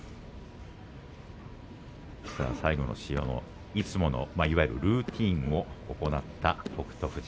最後の塩を、いつものルーティンを行った北勝富士。